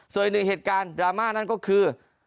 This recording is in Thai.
ส่วนอีกหนึ่งเหตุการณ์ดราม่านั่นก็คือ